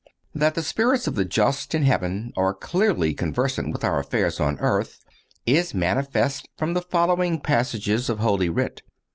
That the spirits of the just in heaven are clearly conversant with our affairs on earth is manifest from the following passages of Holy Writ.